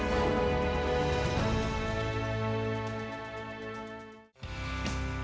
kalau kau untuk memilih rekan windr probe tram fase tiga